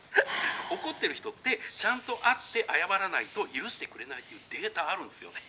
「怒ってる人ってちゃんと会って謝らないと許してくれないっていうデータあるんすよね。